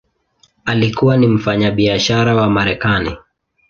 Alikuwa ni mfanyabiashara wa Marekani.